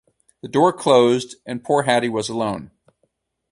The door closed, and poor Hattie was alone.